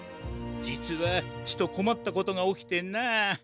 じつはちとこまったことがおきてな。